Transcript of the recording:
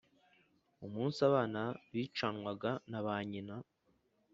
umunsi abana bicanwaga na ba nyina.